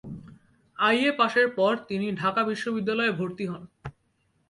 I A পাসের পর তিনি ঢাকা বিশ্ববিদ্যালয়ে ভর্তি হন।